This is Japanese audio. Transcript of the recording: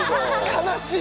悲しい